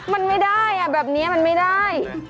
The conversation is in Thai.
มันไม่ได้แบบนี้มันไม่ได้